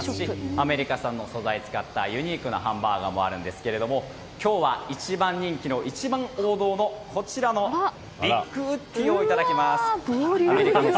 アメリカ産の素材を使ったユニークなハンバーガーもありますが今日は一番人気の一番王道のビッグウッディをいただきます。